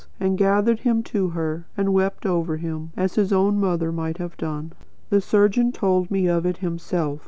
and gathered him to her, and wept over him, as his own mother might have done. The surgeon told me of it himself.